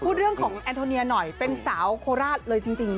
พูดเรื่องของแอนโทเนียหน่อยเป็นสาวโคราชเลยจริง